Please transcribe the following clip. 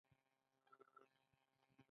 آیا کاناډا ته سلام نه دی؟